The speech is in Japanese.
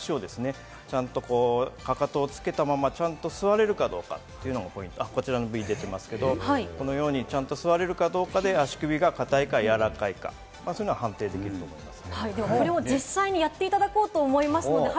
真っすぐにちゃんと、かかとをつけたままちゃんと座れるかどうかというのが、こちらの部位に出ていますけれども、このようにちゃんと座れるかどうかで足首が硬いか柔らかいか、そういうのが判定できると思います。